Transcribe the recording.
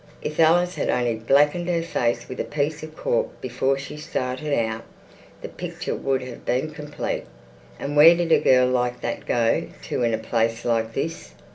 If Alice had only blacked her face with a piece of cork before she started out, the picture would have been complete. And where did a girl like that go to in a place like this?